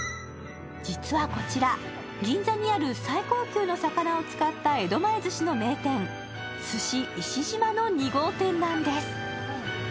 実はこちら、銀座にある最高級の魚を使った江戸前ずしの名店、鮨石島の２号店なんです。